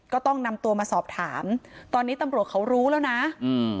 ก็ต้องนำตัวมาสอบถามตอนนี้ตำรวจเขารู้แล้วนะอืม